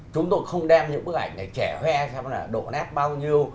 chúng tôi không đem những bức ảnh này chẻ hoe xem là độ nét bao nhiêu